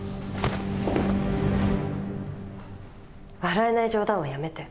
笑えない冗談はやめて。